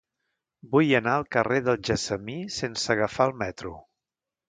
Vull anar al carrer del Gessamí sense agafar el metro.